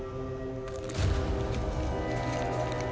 con đường tuyên lộn